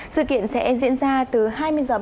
sự kiện sẽ diễn ra từ hai mươi h ba mươi